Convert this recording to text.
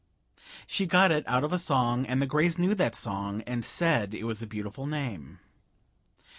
She got it out of a song; and the Grays knew that song, and said it was a beautiful name.